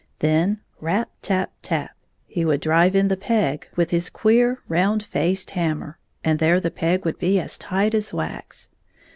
Then, rap tap tap, he would drive in the peg with his queer, round faced hanuner, and there the peg would be as tight as wax.